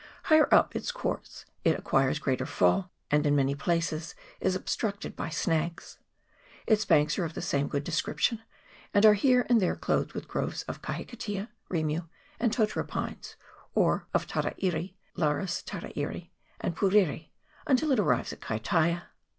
Higher up its course it acquires greater fall, and in many places is obstructed by snags. Its banks are of the same good description, and are here and there clothed with groves of kahikatea, rimu, and totara pines, or of tarairi (Laurus tarairi) and puriri, until it arrives at Kaitaia.